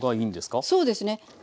そうですね。